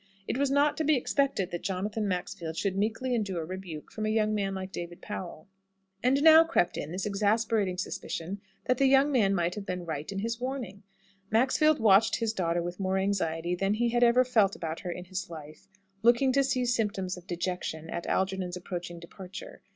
It was not to be expected that Jonathan Maxfield should meekly endure rebuke from a young man like David Powell. And now crept in the exasperating suspicion that the young man might have been right in his warning! Maxfield watched his daughter with more anxiety than he had ever felt about her in his life, looking to see symptoms of dejection at Algernon's approaching departure.